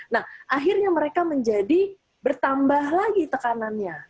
nah akhirnya mereka menjadi bertambah lagi tekanannya